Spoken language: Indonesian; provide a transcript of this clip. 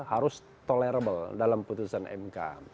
harus tolerable dalam putusan mk